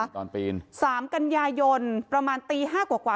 ตอนปีนสามกัญญายนประมาณตีห้ากว่ากว่า